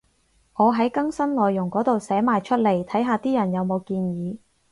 我喺更新內容嗰度寫埋出嚟，睇下啲人有冇建議